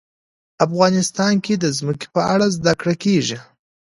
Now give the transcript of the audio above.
افغانستان کې د ځمکه په اړه زده کړه کېږي.